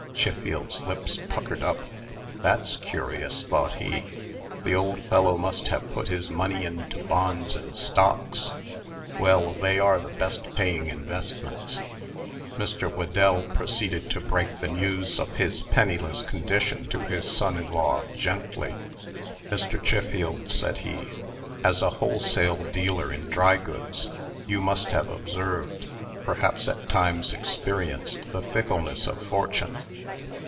Chiffield's lips puckered up. "That's curious," thought he. "The old fellow must have put his money into bonds and stocks. Well, they are the best paying investments." Mr. Whedell proceeded to break the news of his penniless condition to his son in law, gently. "Mr. Chiffield," said he, "as a wholesale dealer in dry goods, you must have observed, perhaps at times experienced, the fickleness of fortune."